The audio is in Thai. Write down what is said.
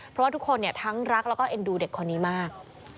เพราะว่าทุกคนทั้งรักแล้วก็เอ็นดูเด็กคนนี้มาก